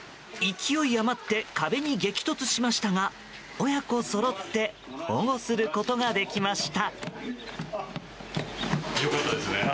勢い余って壁に激突しましたが親子そろって保護することができました。